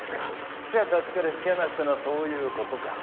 記者たちから引き離したのはそういうことか。